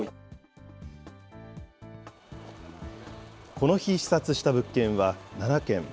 この日、視察した物件は７件。